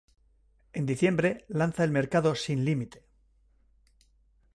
En diciembre, lanza al mercado "Sin límite".